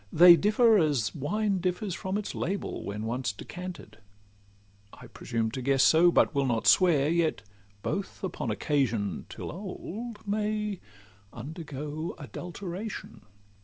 They differ as wine differs from its label, When once decanted;—I presume to guess so, But will not swear: yet both upon occasion, Till old, may undergo adulteration.